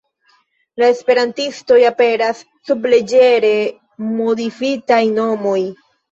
La esperantistoj aperas sub leĝere modifitaj nomoj.